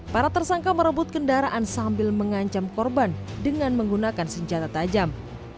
para tersangka merebut kendaraan sambil mengancam korban dengan menggunakan senjata tajam